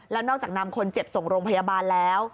แล้วนอกจากนำคนเจ็บส่งโรงพยาบาลแล้ว